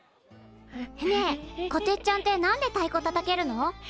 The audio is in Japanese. ねえこてっちゃんって何でたいこたたけるの？